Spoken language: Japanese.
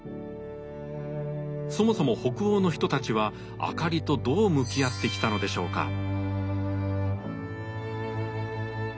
そもそも北欧の人たちは「あかり」とどう向き合ってきたのでしょうか？